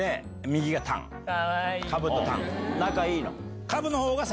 仲いいの？